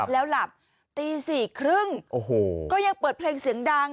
แล้วหลับตี๔๓๐ก็ยังเปิดเพลงเสียงดัง